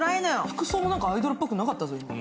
服装もアイドルっぽくなかった。